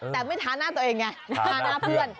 แต่ไม่ทาหน้าตัวเองไงทาหน้าเพื่อน